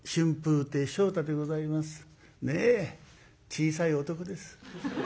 小さい男です。